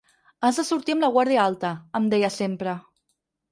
Has de sortir amb la guàrdia alta, em deia sempre.